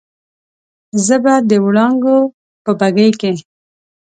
زه به د وړانګو په بګۍ کې